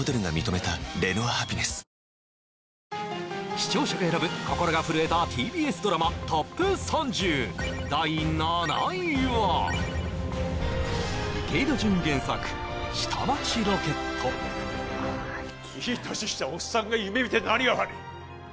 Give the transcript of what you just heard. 視聴者が選ぶ心が震えたＴＢＳドラマＴＯＰ３０第７位は池井戸潤原作いい年したおっさんが夢見て何が悪い？